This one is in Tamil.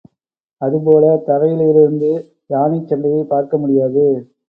அதுபோல தரையிலிருந்து யானைச் சண்டையைப் பார்க்க முடியாது.